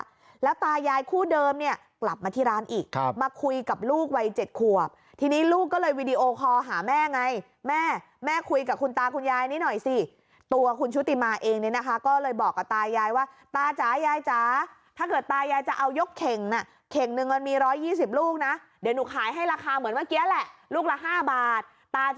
แล้วตายายคู่เดิมเนี่ยกลับมาที่ร้านอีกครับมาคุยกับลูกวัยเจ็ดขวบทีนี้ลูกก็เลยวีดีโอคอลหาแม่ไงแม่แม่คุยกับคุณตาคุณยายนี้หน่อยสิตัวคุณชุติมาเองเนี่ยนะคะก็เลยบอกกับตายายว่าตาจ๋ายายจ๋าถ้าเกิดตายายจะเอายกเข่งน่ะเข่งหนึ่งมันมีร้อยยี่สิบลูกนะเดี๋ยวหนูขายให้ราคาเหมือนเมื่อกี้แหละลูกละ๕บาทตา